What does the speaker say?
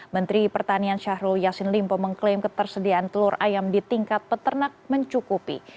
menteri pertanian syahrul yassin limpo mengklaim ketersediaan telur ayam di tingkat peternak mencukupi